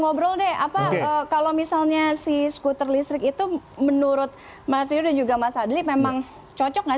ngobrol deh apa kalau misalnya si skuter listrik itu menurut masih juga mas adli memang cocok gak